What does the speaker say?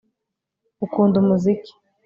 ukunda umuziki